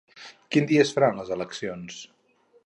Quin dia es faran les eleccions?